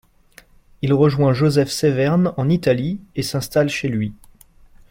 Il rejoint Joseph Severn en Italie et s'installe chez lui.